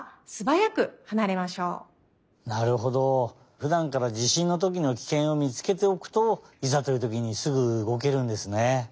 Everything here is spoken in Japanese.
ふだんから地しんのときのキケンをみつけておくといざというときにすぐうごけるんですね。